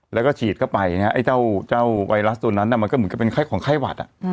แล้วก็ฉีดเข้าไปนะไอ้เจ้าไวรัสตัวนั้นมันก็เหมือนกับเป็นไข้ของไข้หวัด